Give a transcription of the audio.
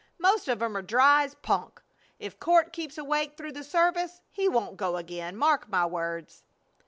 Most of 'em are dry as punk. If Court keeps awake through the service he won't go again, mark my words."